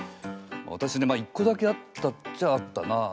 わたしねまあ一個だけあったっちゃあったなあ。